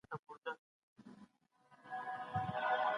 الدین افغاني په اړه دی